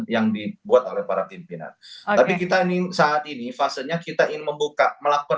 yang dibuat oleh para pimpinan tapi kita ini saat ini fasenya kita ingin membuka melakukan